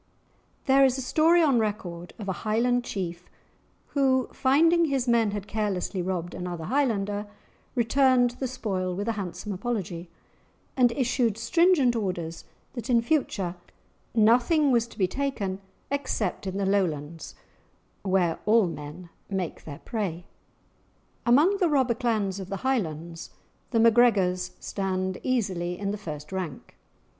There is a story on record of a Highland chief who, finding his men had carelessly robbed another Highlander, returned the spoil with a handsome apology, and issued stringent orders that in future nothing was to be taken except in the Lowlands, "where all men make their prey." Among the robber clans of the Highlands, the MacGregors stand easily in the first rank.